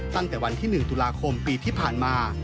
ตั้งแต่วันที่๑ตุลาคมปีที่ผ่านมา